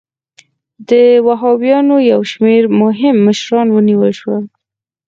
د وهابیانو یو شمېر مهم مشران ونیول شول.